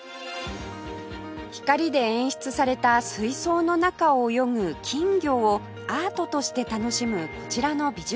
光で演出された水槽の中を泳ぐ金魚をアートとして楽しむこちらの美術館